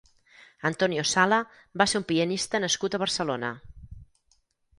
Antonio Sala va ser un pianista nascut a Barcelona.